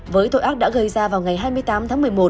với tội ác đã gây ra vào ngày hai mươi tám tháng một mươi một